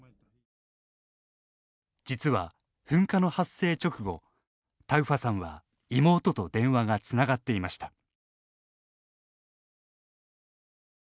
実は、噴火の発生直後タウファさんは妹と電話がつながっていました。